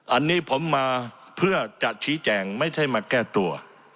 อันนี้ผมมาเพื่อจะชี้แจงไม่ใช่มาแก้ตัว